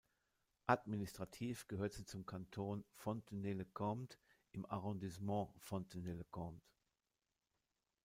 Administrativ gehört sie zum Kanton Fontenay-le-Comte im Arrondissement Fontenay-le-Comte.